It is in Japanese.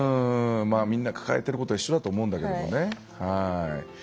みんな抱えてることは一緒だと思うんだけどね。